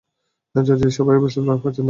জর্জিয়ার সবাই বেসবল পছন্দ করে।